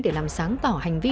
để làm sáng tỏ hành vi